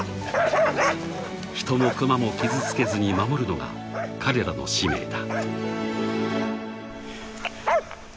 ［人もクマも傷つけずに守るのが彼らの使命だ］